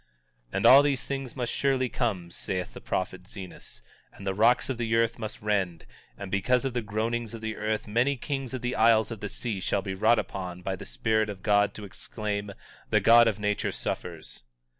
19:12 And all these things must surely come, saith the prophet Zenos. And the rocks of the earth must rend; and because of the groanings of the earth, many of the kings of the isles of the sea shall be wrought upon by the Spirit of God, to exclaim: The God of nature suffers.